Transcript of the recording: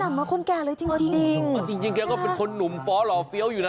ลักษณะเหมือนคนแก่เลยจริงจริงจริงจริงแกก็เป็นคนหนุ่มฟ้าหล่อเฟี้ยวอยู่น่ะ